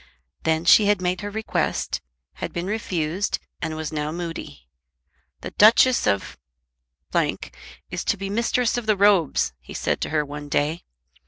Then she had made her request, had been refused, and was now moody. "The Duchess of is to be Mistress of the Robes," he said to her one day.